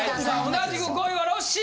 同じく５位はロッシー。